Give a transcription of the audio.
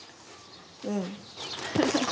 うん。